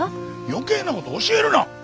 余計なことを教えるな。